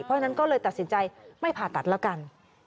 เพราะฉะนั้นก็เลยตัดสินใจไม่ผ่าตัดแล้วกัน